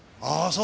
ああ。